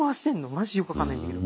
マジよく分かんないんだけど。